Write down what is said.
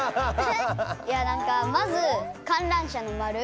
いやなんかまず観覧車のまる。